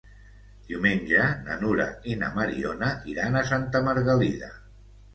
Diumenge na Nura i na Mariona iran a Santa Margalida.